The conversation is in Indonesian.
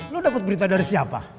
lu dapat berita dari siapa